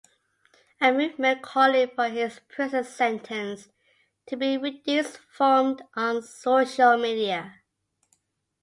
A movement calling for his prison sentence to be reduced formed on social media.